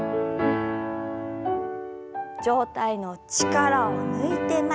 上体の力を抜いて前。